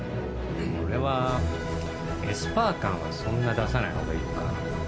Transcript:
俺はエスパー感はそんな出さないほうがいいかな。